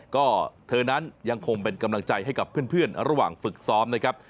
ก็เธอนั้นยังคงเป็นกำลังใจให้กับเพื่อนระหว่างฝึกซ้อมนะครับ